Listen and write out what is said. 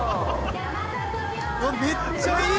めっちゃいい！